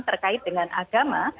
terkait dengan agama